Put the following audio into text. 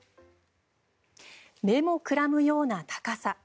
目もくらむような高さ。